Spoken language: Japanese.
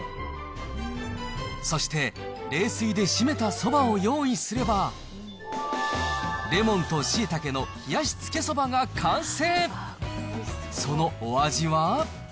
そして冷水でしめたそばを用意すれば、レモンとしいたけの冷やしつけそばが完成。